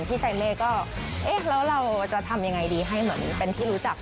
พี่ชายเมฆก็เอ๊ะแล้วเราจะทำยังไงดีให้เหมือนเป็นที่รู้จัก